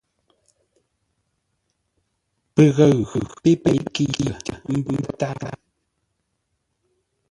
Pəghəʉ pé pêi kəitə ḿbə́ pə́tárə́.